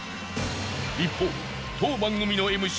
一方当番組のＭＣ